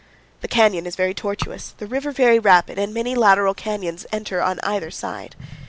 The canyon is very tortuous, the river very rapid, and many lateral canyons enter on either side.